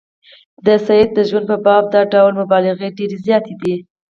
د سید د ژوند په باب دا ډول مبالغې ډېرې زیاتې دي.